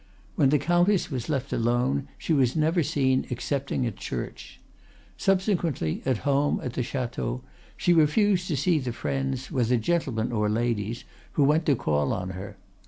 When the Countess was left alone, she was never seen excepting at church. Subsequently, at home, at the chateau, she refused to see the friends, whether gentlemen or ladies, who went to call on her.